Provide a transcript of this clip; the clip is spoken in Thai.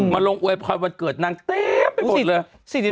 ลงอวยพรวันเกิดนางเต็มไปหมดเลย